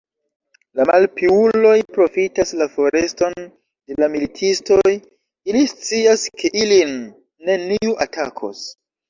La malpiuloj profitas la foreston de la militistoj, ili scias, ke ilin neniu atakos.